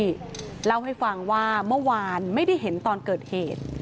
อยู่ในพื้นที่เล่าให้ฟังว่าเมื่อวานไม่ได้เห็นตอนเกิดเหตุ